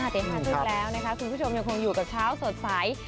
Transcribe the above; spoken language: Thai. ตี๕๓๐แล้วนะคะคุณผู้ชมยังคงอยู่กับเช้าสดใส